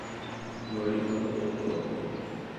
Morì poco tempo dopo.